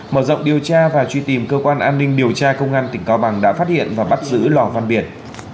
mở rộng điều tra và truy tìm cơ quan an ninh điều tra công an tỉnh cao bằng đã phát hiện và bắt giữ lò văn biển